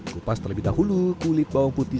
kupas terlebih dahulu kulit bawang putih